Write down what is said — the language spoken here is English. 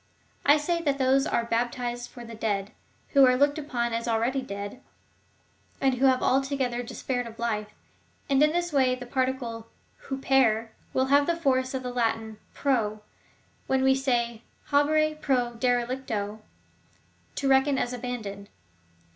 I say, that those are baptized for dead, who are looked upon as already dead, and who have alto gether despaired of life ; and in this way the particle vTrep will have the force of the Latin pro, as when we say, habere pro derelicto; — to reckon as abajidoned?